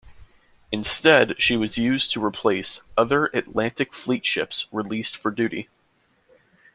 Instead, she was used to replace other Atlantic Fleet ships released for duty.